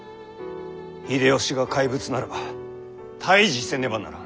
秀吉が怪物ならば退治せねばならん。